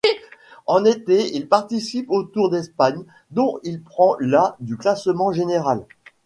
En été, il participe au Tour d'Espagne, dont il prend la du classement général.